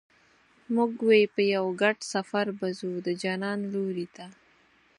موږ وې په یو ګډ سفر به ځو د جانان لوري ته